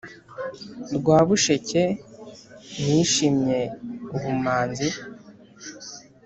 Rwabusheke nishimye ubumanzi,